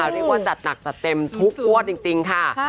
เรียกว่าจัดหนักจัดเต็มทุกงวดจริงค่ะ